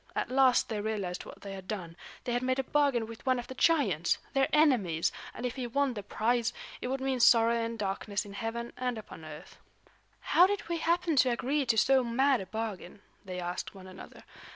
At last they realized what they had done; they had made a bargain with one of the giants, their enemies; and if he won the prize, it would mean sorrow and darkness in heaven and upon earth. "How did we happen to agree to so mad a bargain?" they asked one another.